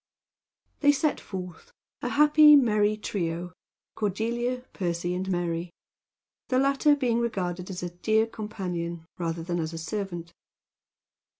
They set forth, a happy, merry trio Cordelia, Percy, and Mary the latter being regarded as a dear companion rather than as a servant.